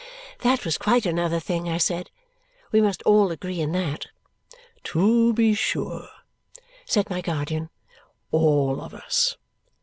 That was quite another thing, I said. We must all agree in that. "To be sure," said my guardian. "All of us.